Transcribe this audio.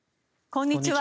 こんにちは。